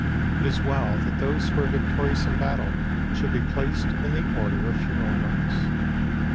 It is well that those who are victorious in battle should be placed in the order of funeral rites.